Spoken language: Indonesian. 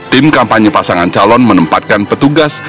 tim kampanye pasangan calon menempatkan petugas